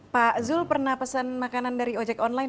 pak zul pernah pesan makanan dari ojek online